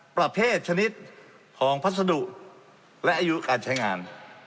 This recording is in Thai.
ประเภทชนิดของพัสดุและอายุการใช้งาน